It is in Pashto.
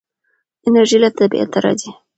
انرژي له طبیعته راځي.